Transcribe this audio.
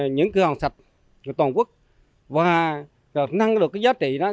những cơ hội sạch của toàn quốc và nâng được giá trị